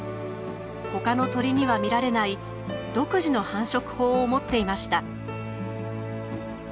他の鳥には見られない独自の繁殖法を持っていました。